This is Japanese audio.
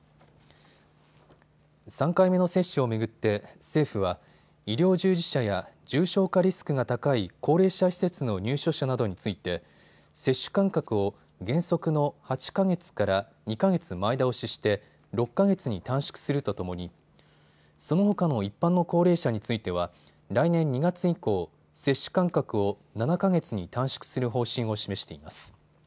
３回目の接種を巡って政府は医療従事者や重症化リスクが高い高齢者施設の入所者などについて接種間隔を原則の８か月から２か月前倒しして６か月に短縮するとともにそのほかの一般の高齢者については来年２月以降、接種間隔を７か月に短縮する方針を示しています。